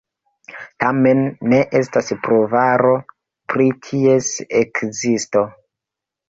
Tamen, ne estas pruvaro pri ties ekzisto.